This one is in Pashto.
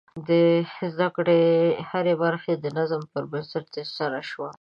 د زده کړې هره برخه د نظم پر بنسټ ترسره شوه.